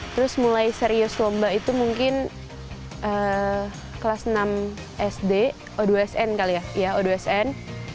terus mulai serius lomba itu mungkin kelas enam sd o dua sn kali ya o dua sn